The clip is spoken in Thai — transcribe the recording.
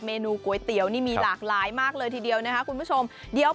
นูก๋วยเตี๋ยวนี่มีหลากหลายมากเลยทีเดียวนะคะคุณผู้ชมเดี๋ยว